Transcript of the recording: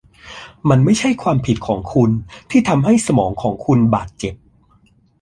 มันไม่ใช่ความผิดของคุณที่ทำให้สมองของคุณบาดเจ็บ